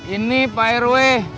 ini pak rw